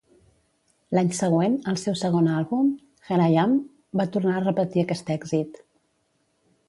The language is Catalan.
L'any següent, el seu segon àlbum "Here I Am" va tornar a repetir aquest èxit.